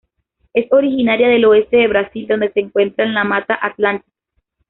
Es originaria del oeste de Brasil donde se encuentra en la Mata Atlántica.